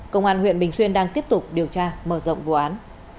công an huyện bình xuyên đang tiếp tục điều tra mở rộng vụ án